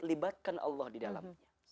libatkan allah di dalam